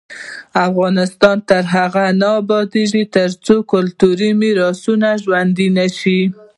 افغانستان تر هغو نه ابادیږي، ترڅو کلتوري میراثونه ژوندي نشي.